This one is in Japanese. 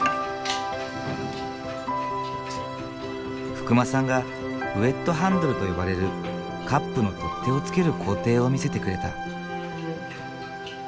福間さんがウェットハンドルと呼ばれるカップの取っ手をつける工程を見せてくれた。